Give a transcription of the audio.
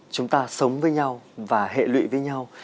chúng ta sống với nhau và hệ lụy với nhau